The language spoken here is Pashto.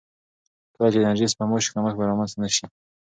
کله چې انرژي سپما شي، کمښت به رامنځته نه شي.